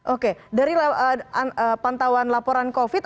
oke dari pantauan laporan covid